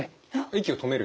息を止める？